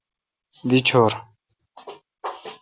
دی ڄور۔